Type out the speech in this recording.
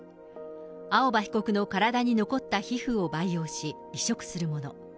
青葉被告の体に残った皮膚を培養し、移植するもの。